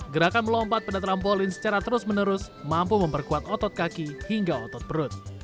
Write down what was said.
gerakan melompat pada trampolin secara terus menerus mampu memperkuat otot kaki hingga otot perut